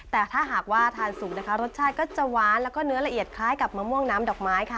แต่ถ้าหากว่าทานสุกนะคะรสชาติก็จะหวานแล้วก็เนื้อละเอียดคล้ายกับมะม่วงน้ำดอกไม้ค่ะ